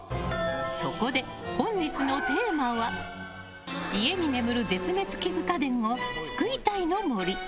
そこで、本日のテーマは家に眠る絶滅危惧家電を救いたいの森。